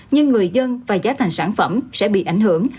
nhưng người dân và giá thành sản phẩm sẽ bị ảnh hưởng